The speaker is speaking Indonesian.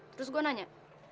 terus gue nanya